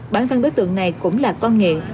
bản thân đối tượng này cũng là con nghiện